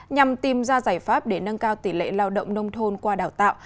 nhằm tìm ra giải pháp để nâng cao tỷ lệ lao động nông thôn qua đào tạo